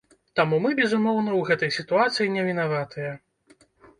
Таму мы, безумоўна, у гэтай сітуацыі не вінаватыя.